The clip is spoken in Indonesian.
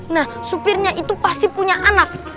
nah supirnya itu pasti punya anak